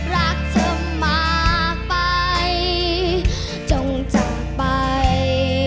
รักเธอมากไปจงจากไป